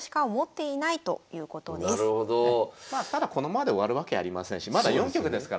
まあただこのままで終わるわけありませんしまだ４局ですからね。